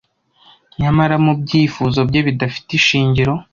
nyamara mubyifuzo bye bidafite ishingiro